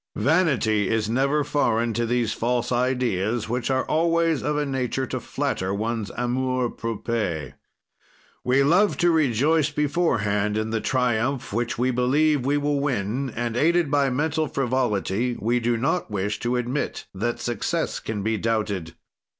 "Vanity is never foreign to these false ideas, which are always of a nature to flatter one's amour propre. "We love to rejoice beforehand in the triumph which we believe will win and, aided by mental frivolity, we do not wish to admit that success can be doubted.